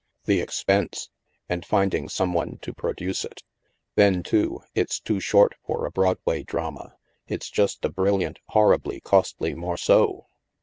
" The expense ! And finding some one to pro duce it. Then, too, it's too short for a Broadway drama. It's just a brilliant, horribly costly morgeau.